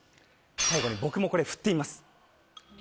最後に僕もこれ振ってみます。